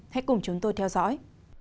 hãy cùng chúng tôi theo dõi